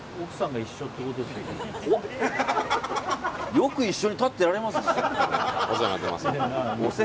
よく一緒に立ってられますね。